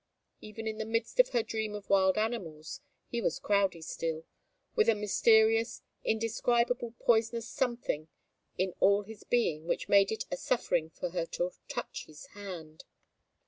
Even in the midst of her dream of wild animals, he was Crowdie still, with a mysterious, indescribable, poisonous something in all his being which made it a suffering for her to touch his hand.